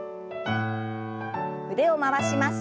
腕を回します。